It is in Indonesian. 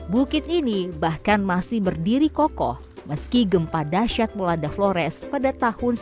bukit ini bahkan masih berdiri kokoh meski gempa dasyat melanda flores pada tahun seribu sembilan ratus sembilan puluh